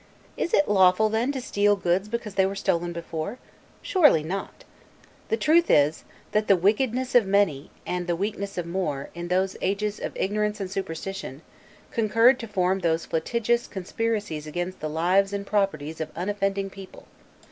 Is it lawful then to steal goods because they were stolen before? Surely not. The truth is, that the wickedness of many, and the weakness of more, in those ages of ignorance and superstition, concurred to form those flagitious conspiracies against the lives and properties of unoffending people.